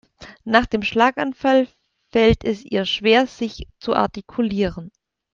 Nach dem Schlaganfall fällt es ihr schwer sich zu artikulieren.